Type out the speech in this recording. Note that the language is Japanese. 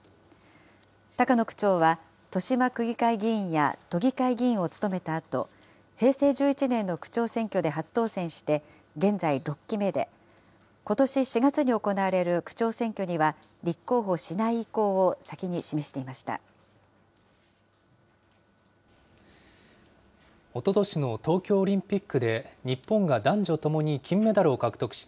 高野区長は、豊島区議会議員や都議会議員を務めたあと、平成１１年の区長選挙で初当選して、現在６期目で、ことし４月に行われる区長選挙には立候補しない意向を先に示していました。